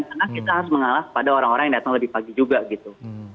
karena kita harus mengalas pada orang orang yang datang lebih pagi juga gitu